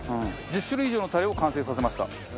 １０種類以上のタレを完成させました。